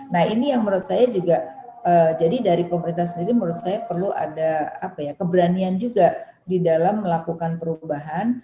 nah ini yang menurut saya juga jadi dari pemerintah sendiri menurut saya perlu ada keberanian juga di dalam melakukan perubahan